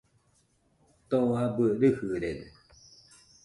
Too abɨ rɨjɨrede